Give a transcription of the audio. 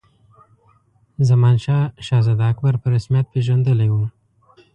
زمانشاه شهزاده اکبر په رسمیت پېژندلی وو.